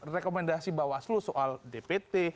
rekomendasi bawaslu soal dpt